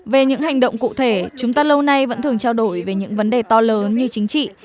về những hành động cụ thể chúng ta lâu nay vẫn thường trao đổi về những vấn đề to lớn như chính trị